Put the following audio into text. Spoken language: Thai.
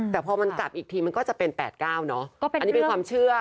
แต่พอมันกลับอีกทีมันก็จะเป็น๘๙เนอะอันนี้เป็นความเชื่อ